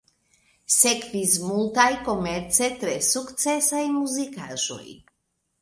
Sekvis multaj komerce tre sukcesaj muzikaĵoj.